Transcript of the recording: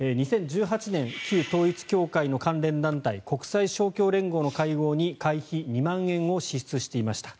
２０１８年旧統一教会の関連団体国際勝共連合の会合に会費２万円を支出していました。